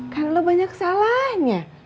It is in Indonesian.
kan lu banyak kesalahannya